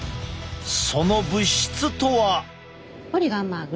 その物質とは。